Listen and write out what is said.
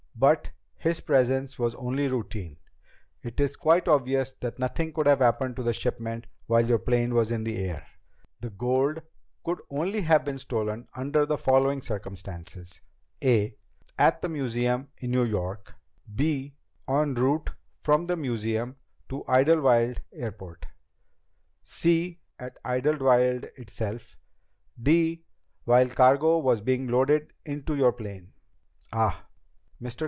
But his presence was only routine. It is quite obvious that nothing could have happened to the shipment while your plane was in the air. The gold could only have been stolen under the following circumstances: (a) at the museum in New York; (b) en route from the museum to Idlewild Airport; (c) at Idlewild itself; (d) while cargo was being loaded into your plane; ah ..." Mr.